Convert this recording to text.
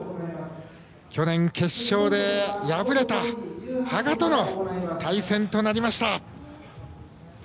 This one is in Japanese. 去年決勝で敗れた羽賀との対戦となりました。